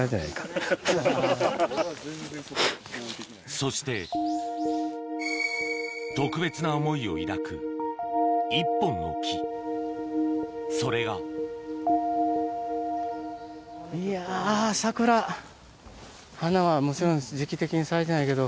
そしてを抱く１本の木それが花はもちろん時期的に咲いてないけど。